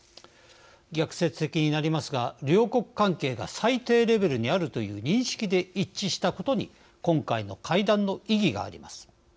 逆説的になりますが両国関係が最低レベルにあるという認識で一致したことに今回の会談の意義があります。